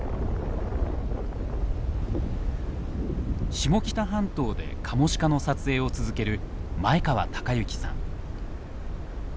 下北半島でカモシカの撮影を続ける前川貴行さん。